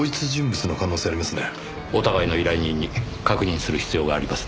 お互いの依頼人に確認する必要がありますね。